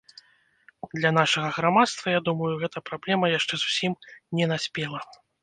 Для нашага грамадства, я думаю, гэта праблема яшчэ зусім не наспела.